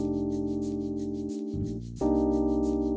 tanyakan pak lohot aja